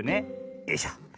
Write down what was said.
よいしょ。